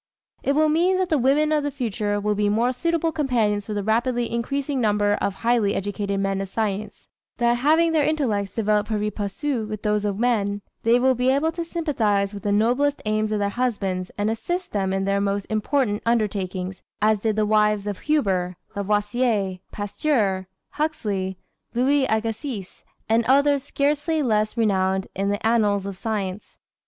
It will mean that the women of the future will be more suitable companions for the rapidly increasing number of highly educated men of science; that having their intellects developed pari passu with those of men, they will be able to sympathize with the noblest aims of their husbands and assist them in their most important undertakings, as did the wives of Huber, Lavoisier, Pasteur, Huxley, Louis Agassiz and others scarcely less renowned in the annals of science.